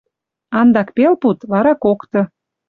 Андак пел пуд, вара кокты